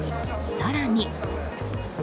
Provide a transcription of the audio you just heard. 更に。